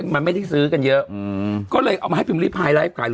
มันไม่ได้ซื้อกันเยอะก็เลยเอามาให้พิมพิพาย